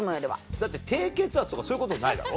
だって低血圧とかそういうことないだろ？